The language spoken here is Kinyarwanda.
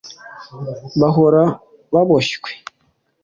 bahora baboshywe